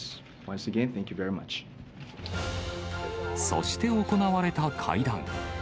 そして行われた会談。